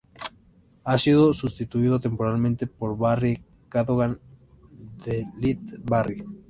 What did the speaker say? Ha sido sustituido temporalmente por Barrie Cadogan, de Little Barrie.